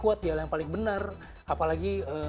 kuat dia lah yang paling benar apalagi